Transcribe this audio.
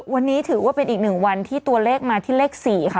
วันนี้ถือว่าเป็นอีกหนึ่งวันที่ตัวเลขมาที่เลข๔ค่ะ